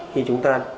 khi chúng ta